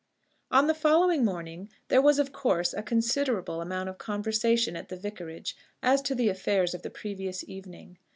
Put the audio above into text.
On the following morning there was of course a considerable amount of conversation at the Vicarage as to the affairs of the previous evening.